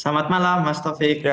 selamat malam mas taufik